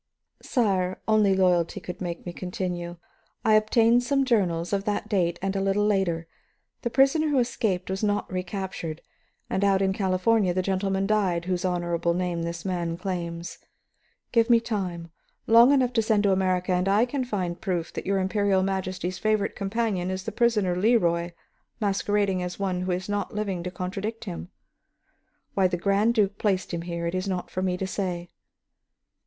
"Sire, only loyalty could make me continue. I obtained some journals of that date and a little later. The prisoner who escaped was not recaptured; and out in California the gentleman died whose honorable name this man claims. Give me time, long enough to send to America, and I can find proof that your Imperial Majesty's favorite companion is the prisoner Leroy masquerading as one who is not living to contradict him. Why the Grand Duke placed him here, it is not for me to say."